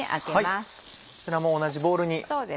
こちらも同じボウルに。